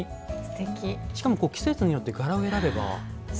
しかも季節によって柄を選べば。